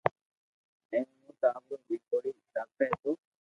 اي مون ٽاڀرو بي ڪوئي داپئي تو